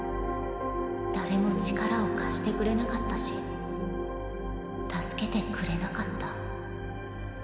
誰も力を貸してくれなかったし助けてくれなかった。